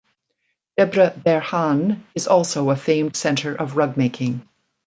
Debre Berhan is also a famed center of rug making.